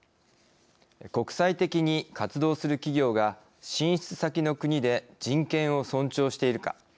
国際的に活動する企業が進出先の国で人権を尊重しているか。